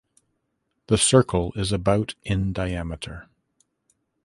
The circle is about in diameter.